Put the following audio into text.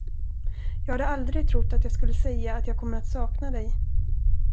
Jag hade aldrig trott att jag skulle säga att jag kommer att sakna dig.